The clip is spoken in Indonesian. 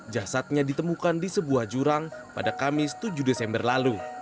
jasadnya ditemukan di sebuah jurang pada kamis tujuh desember lalu